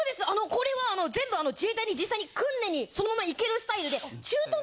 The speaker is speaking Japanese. これは全部自衛隊で実際に訓練にそのまま行けるスタイルで。